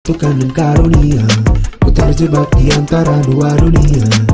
tukang dan karunia putar jebak diantara dua dunia